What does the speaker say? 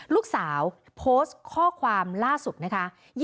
ลูกสาวโพสต์ข้อความล่าสุดนะคะ